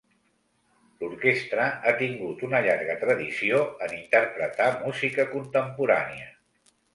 L'orquestra ha tingut una llarga tradició en interpretar música contemporània.